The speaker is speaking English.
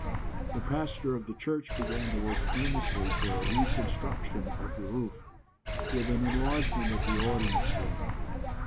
The pastor of the church began to work earnestly for a reconstruction of the roof, with an enlargement of the audience room.